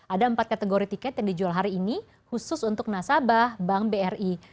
ada empat kategori tiket yang dijual hari ini khusus untuk nasabah bank bri